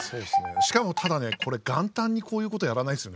しかもただねこれ元旦にこういうことやらないですよね